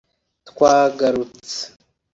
twagarutse